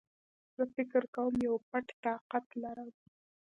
زه فکر کوم يو پټ طاقت لرم